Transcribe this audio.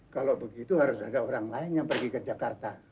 kalau begitu harus ada orang lain yang pergi ke jakarta